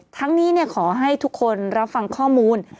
ทั้งนี้ขอให้ทุกคนรับฟังข้อมูล